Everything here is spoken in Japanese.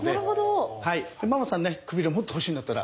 ママさんねくびれもっと欲しいんだったら。